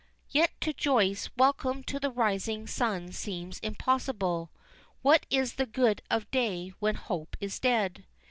Yet to Joyce welcome to the rising sun seems impossible. What is the good of day when hope is dead?